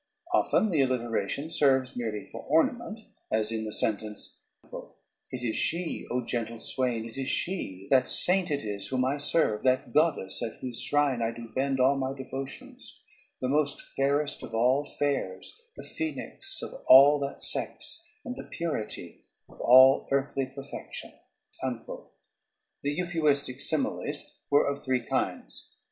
Often the alliteration serves merely for ornament, as in the sentence: "It is she, O gentle swain, it is she, that saint it is whom I serve, that goddess at whose shrine I do bend all my devotions; the most fairest of all fairs, the phoenix of all that sex, and the purity of all earthly perfection." The euphuistic similes were of three kinds.